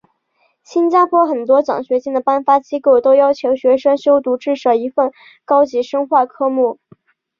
新加坡很多奖学金的颁发机构都要求学生修读至少一份高级深化科目。